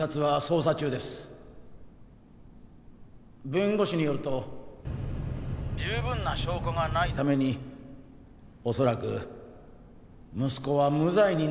弁護士によると十分な証拠がないために恐らく息子は無罪になるだろうと言っています。